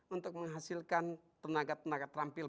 untuk menghasilkan tenaga tenaga terampil